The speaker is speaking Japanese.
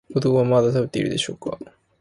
子供がまだ食べてるでしょうが。